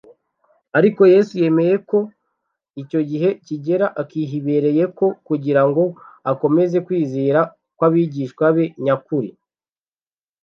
Ariko Yesu yemeye ko icyo gihe kigera akihibereye kugira ngo akomeze kwizera kw'abigishwa be nyakuri.